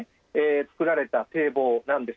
造られた堤防なんです。